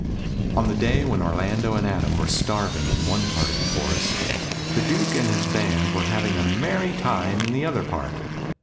On the day when Orlando and Adam were starving in one part of the forest, the Duke and his band were having a merry time in another part.